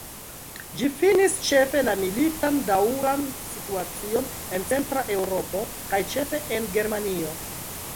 Ĝi finis ĉefe la militan daŭran situacion en Centra Eŭropo kaj ĉefe en Germanio.